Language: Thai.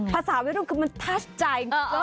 ภาษาวิทยาลุงค์คือมันทัดใจ